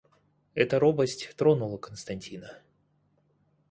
Эта робость тронула Константина.